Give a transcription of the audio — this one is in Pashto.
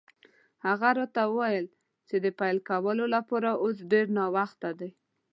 هغه راته وویل چې د پیل کولو لپاره اوس ډېر ناوخته دی.